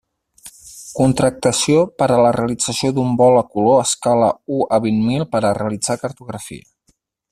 Contractació per a la realització d'un vol a color escala u a vint mil per a realitzar cartografia.